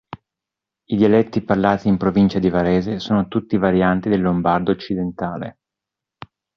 I dialetti parlati in Provincia di Varese sono tutti varianti del Lombardo occidentale.